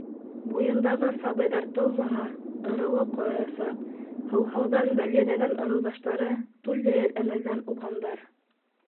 Буйындағы сабыйҙар тыумаһа, ырыуы ҡороясаҡ, һыуһауҙан бәлйерәгән ырыуҙаштары түл йәйер әмәлдән уҙғандар...